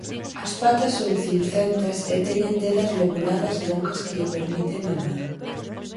As patas son cincentas e teñen dedas lobuladas longas que lle permiten nadar.